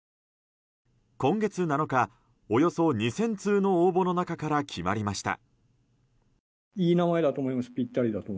今月７日およそ２０００通の応募の中から決まりました。